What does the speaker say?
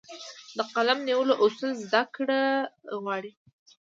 د قلم نیولو اصول زده کړه غواړي.